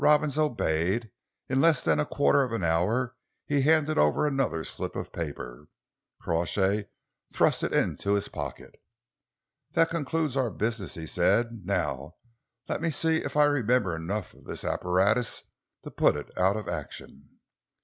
Robins obeyed. In less than a quarter of an hour he handed over another slip of paper. Crawshay thrust it into his pocket. "That concludes our business," he said. "Now let me see if I remember enough of this apparatus to put it out of action."